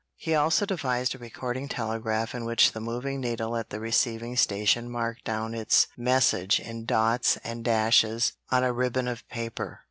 He also devised a recording telegraph in which the moving needle at the receiving station marked down its message in dots and dashes on a ribbon of paper.